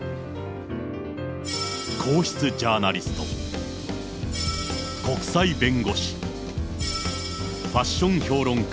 皇室ジャーナリスト、国際弁護士、ファッション評論家、